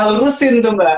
lurusin tuh mbak